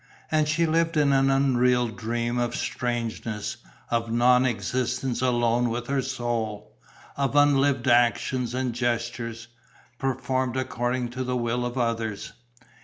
And she lived in an unreal dream of strangeness, of non existence alone with her soul, of unlived actions and gestures, performed according to the will of others.